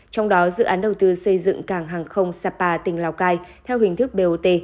trong đó dự án đầu tư xây dựng cảng hàng không sapa tỉnh lào cai theo hình thức bot